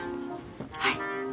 はい。